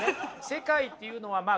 世界っていうのはまあ